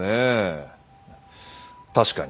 確かに。